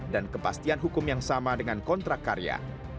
dan kepastian hukum yang sama dengan kontrak karya